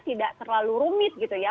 tidak terlalu rumit gitu ya